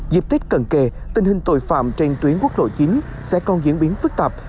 diệp tích cần kề tình hình tội phạm trên tuyến quốc lộ chín sẽ còn diễn biến phức tạp